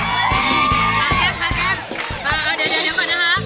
ป๊าขาครับ